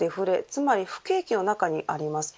つまり不景気の中にあります。